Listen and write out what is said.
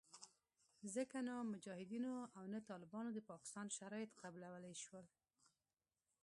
ځکه نه مجاهدینو او نه طالبانو د پاکستان شرایط قبلولې شول